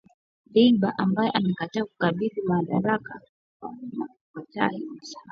Dbeibah ambaye amekataa kukabidhi madaraka kwa Fathi Bashagha